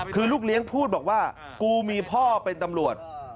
คือลูกเลี้ยงพูดบอกว่ากูมีพ่อเป็นตำรวจ